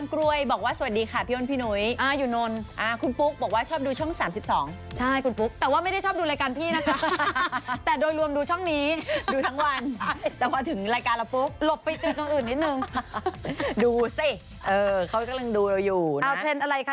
คือรู้สึกว่าเทรนด์ที่เราจะมาอัปเดตนั้น